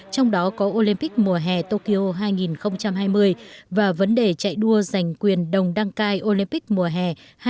trong đó có olympic mùa hè tokyo hai nghìn hai mươi và vấn đề chạy đua giành quyền đồng đăng cai olympic mùa hè hai nghìn hai mươi